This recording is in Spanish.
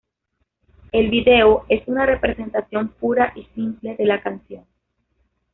El vídeo es una representación pura y simple de la canción.